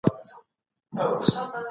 ولي ځیني کورنۍ دا غوره کوي؟